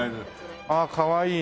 ああかわいいな。